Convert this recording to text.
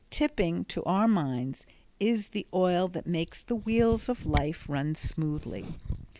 Tipping, to our minds, is the oil that makes the wheels of life run smoothly.